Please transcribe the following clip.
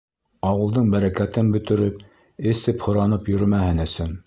— Ауылдың бәрәкәтен бөтөрөп эсеп-һоранып йөрөмәһен өсөн.